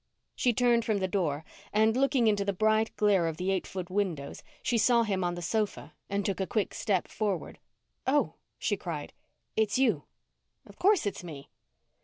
She turned from the door and, looking into the bright glare of the eight foot windows, she saw him on the sofa and took a quick step forward. "Oh," she cried. "It's you!" "Of course, it's me."